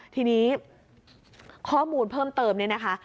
ทีนี้ข้อมูลเพิ่มเติมเนี่ยนะคะ